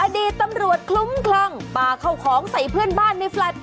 อดีตตำรวจคลุ้มคลั่งปลาเข้าของใส่เพื่อนบ้านในแฟลต